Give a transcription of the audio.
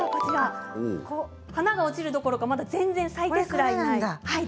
花が落ちるどころかまだ全然咲いてすらいない。